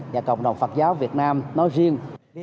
và cộng đồng phật giáo việt nam nói riêng